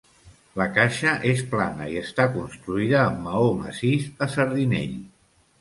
La caixa és plana i està construïda amb maó massís a sardinell.